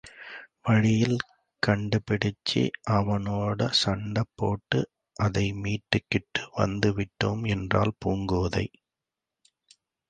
வழியிலே கண்டுபிடிச்சு, அவனோடு சண்டை போட்டு அதை மீட்டுக்கிட்டு வந்து விட்டோம்! என்றாள் பூங்கோதை.